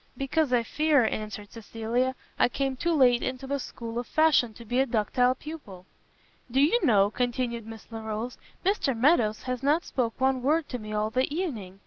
"Because I fear," answered Cecilia, "I came too late into the school of fashion to be a ductile pupil." "Do you know," continued Miss Larolles, "Mr Meadows has not spoke one word to me all the evening!